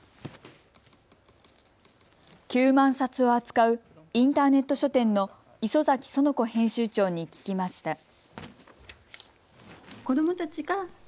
９万冊を扱うインターネット書店の磯崎園子編集長に聞きました。